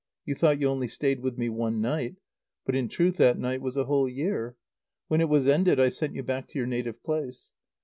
You thought you only stayed with me one night. But in truth that night was a whole year. When it was ended, I sent you back to your native place.